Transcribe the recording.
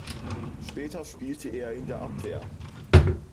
Später spielte er in der Abwehr.